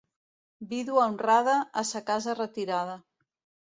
Vídua honrada, a sa casa retirada.